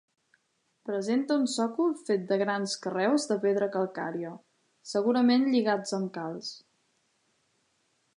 Presenta un sòcol fet de grans carreus de pedra calcària, segurament lligats amb calç.